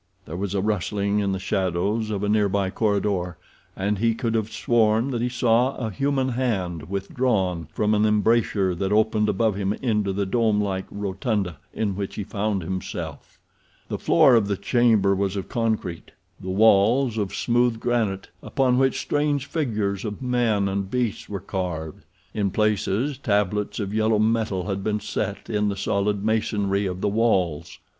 There was a rustling in the shadows of a near by corridor, and he could have sworn that he saw a human hand withdrawn from an embrasure that opened above him into the domelike rotunda in which he found himself. The floor of the chamber was of concrete, the walls of smooth granite, upon which strange figures of men and beasts were carved. In places tablets of yellow metal had been set in the solid masonry of the walls.